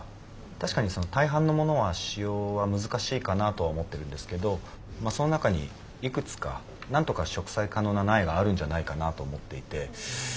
確かに大半のものは使用は難しいかなとは思ってるんですけどその中にいくつかなんとか植栽可能な苗があるんじゃないかなと思っていて。